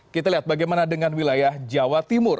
kita lihat bagaimana dengan wilayah jawa timur